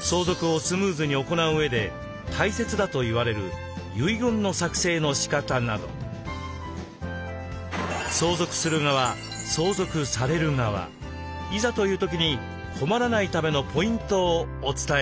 相続をスムーズに行ううえで大切だといわれる遺言の作成のしかたなど相続する側相続される側いざという時に困らないためのポイントをお伝えします。